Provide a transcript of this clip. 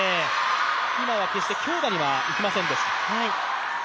今は決して強打にはいきませんでした。